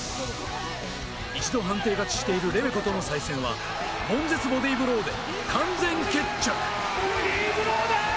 一度判定勝ちしているレベコとの対戦は、悶絶ボディブローで完全決着。